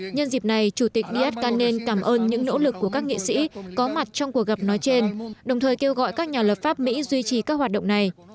nhân dịp này chủ tịch díaz canel cảm ơn những nỗ lực của các nghị sĩ có mặt trong cuộc gặp nói trên đồng thời kêu gọi các nhà lập pháp mỹ duy trì các hoạt động này